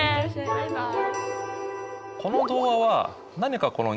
バイバイ。